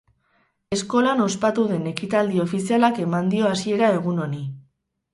Eskolan ospatu den ekitaldi ofizialak eman dio hasiera egun honi.